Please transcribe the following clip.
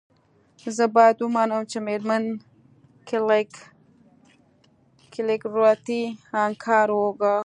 زه باید ومنم چې میرمن کلیګرتي انکار وکړ